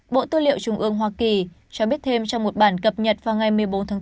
bộ tư liệu trung ương hoa kỳ cho biết thêm trong một bản cập nhật vào ngày một mươi bốn tháng bốn